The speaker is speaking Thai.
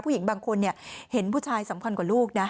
ผู้หญิงบางคนเห็นผู้ชายสำคัญกว่าลูกนะ